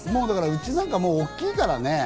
うちなんか、もう大きいからね。